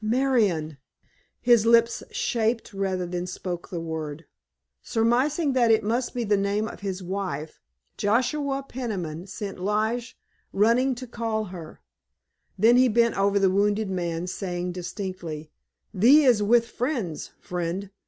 "Marian!" his lips shaped rather than spoke the word. Surmising that it must be the name of his wife, Joshua Peniman sent Lige running to call her. Then he bent over the wounded man, saying distinctly, "Thee is with friends, friend.